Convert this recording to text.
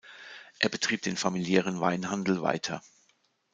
Er betrieb den familiären Weinhandel weiter.